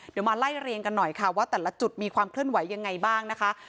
เดี๋ยวมาไล่เรียงกันหน่อยค่ะว่าแต่ละจุดมีความเคลื่อนไหวยังไงบ้างนะคะ